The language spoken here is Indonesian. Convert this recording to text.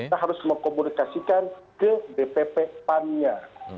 kita harus mengkomunikasikan ke dpp pan nya